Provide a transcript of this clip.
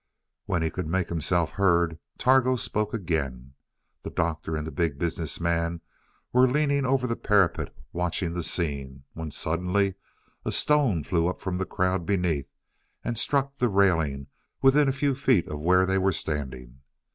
When he could make himself heard, Targo spoke again. The Doctor and the Big Business Man were leaning over the parapet watching the scene, when suddenly a stone flew up from the crowd beneath, and struck the railing within a few feet of where they were standing.